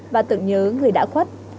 và tưởng nhớ người đã khuất